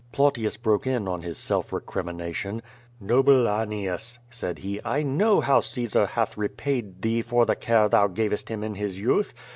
Plautius broke in on his self recrimination: "Noble Annaeus," said he, "I know how Caesar hath re paid thee for the care thou gavest him in his youth.